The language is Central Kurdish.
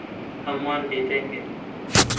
هەمووان بێدەنگن.